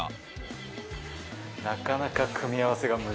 なかなか組み合わせが難しそう。